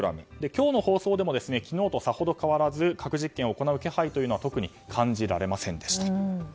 今日の放送でも昨日とさほど変わらず核実験を行う気配は特に感じられませんでした。